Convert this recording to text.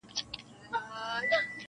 ډېوه به مو په کور کي د رقیب تر سبا نه وي -